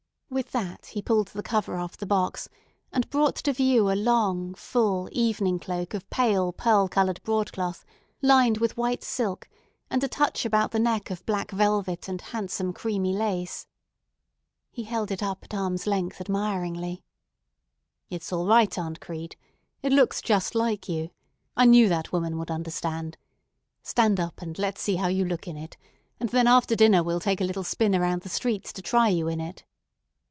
With that he pulled the cover off the box, and brought to view a long, full evening cloak of pale pearl colored broadcloth lined with white silk, and a touch about the neck of black velvet and handsome creamy lace. He held it up at arm's length admiringly. "It's all right, Aunt Crete. It looks just like you. I knew that woman would understand. Stand up, and let's see how you look in it; and then after dinner we'll take a little spin around the streets to try you in it."